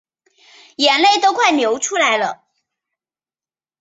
眼泪都快流出来了